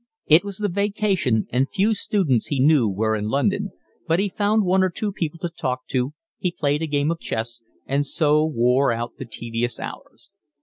It was the vacation and few students he knew were in London, but he found one or two people to talk to, he played a game of chess, and so wore out the tedious hours.